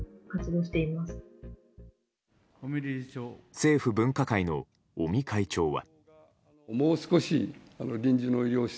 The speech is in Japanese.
政府分科会の尾身会長は。